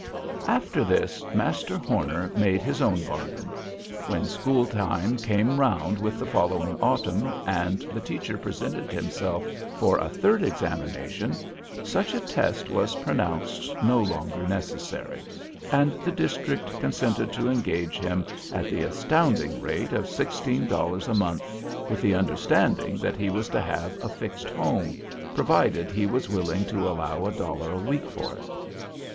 After this, Master Horner made his own bargain. When schooltime came round with the following autumn, and the teacher presented himself for a third examination, such a test was pronounced no longer necessary; and the district consented to engage him at the astounding rate of sixteen dollars a month, with the understanding that he was to have a fixed home, provided he was willing to allow a dollar a week for it.